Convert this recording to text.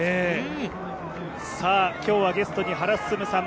今日はゲストに原晋さん。